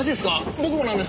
僕もなんです！